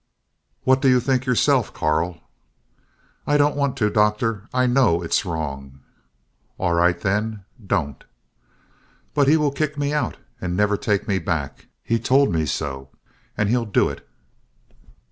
"What do you think yourself, Karl?" "I don't want to, Doctor. I know it is wrong." "All right then, don't." "But he will kick me out and never take me back. He told me so, and he'll do it."